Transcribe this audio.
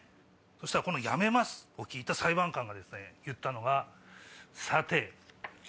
そしたらこの「やめます！」を聞いた裁判官が言ったのが。